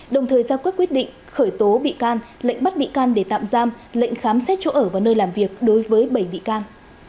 đồng thời ra quyết định khởi tố bị can lệnh bắt bị can để tạm giam lệnh khám xét chỗ ở và nơi làm việc đối với bảy bị can